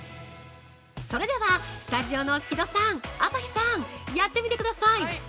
それでは、スタジオの木戸さん朝日さん、やってみてください。